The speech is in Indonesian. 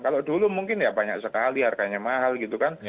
kalau dulu mungkin ya banyak sekali harganya mahal gitu kan